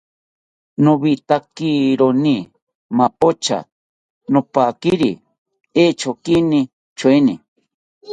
Nowitakironi mapocha, nopaquiri echonkini tyoeni